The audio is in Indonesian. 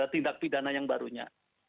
tindak pidana yang barunya